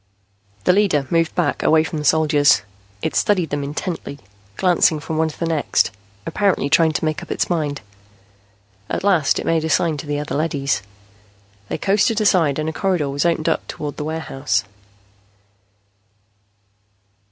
The leader moved back, away from the soldiers. It studied them intently, glancing from one to the next, apparently trying to make up its mind. At last it made a sign to the other leadys. They coasted aside and a corridor was opened up toward the warehouse.